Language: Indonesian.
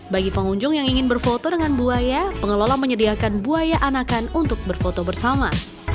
bagi pengunjung yang ingin berfoto dengan buaya pengelola menyediakan buaya anakan untuk berfoto bersama